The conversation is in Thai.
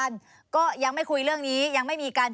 ไม่ไม่เคยค่ะ